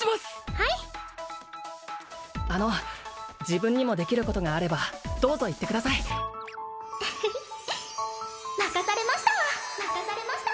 はいあの自分にもできることがあればどうぞ言ってくださいウフフ任されました！